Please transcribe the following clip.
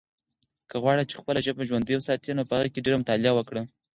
که غواړې چې خپله ژبه ژوندۍ وساتې نو په هغې کې ډېره مطالعه وکړه.